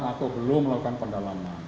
atau belum melakukan pendalaman